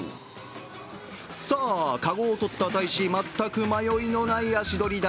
さあ、籠をとった大使全く迷いのない足取りだ。